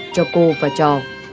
cho cô và trò